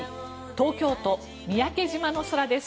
東京都・三宅島の空です。